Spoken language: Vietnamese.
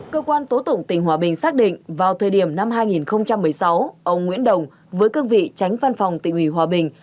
cơ quan tố tụng tỉnh hòa bình xác định vào thời điểm năm hai nghìn một mươi sáu ông nguyễn đồng với cương vị tránh văn phòng tỉnh ủy hòa bình